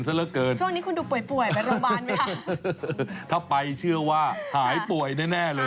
ซะเหลือเกินช่วงนี้คุณดูป่วยป่วยไปโรงพยาบาลไหมคะถ้าไปเชื่อว่าหายป่วยแน่แน่เลย